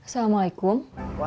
saya mau ke rumah